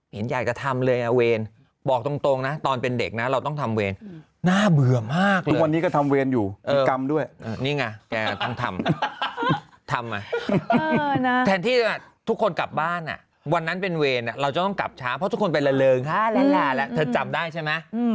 มีภาพแม่เรามีไหม